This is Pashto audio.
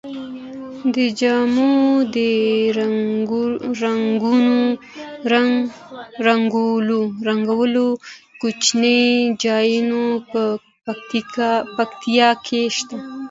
د جامو د رنګولو کوچني ځایونه په پکتیا کې شته.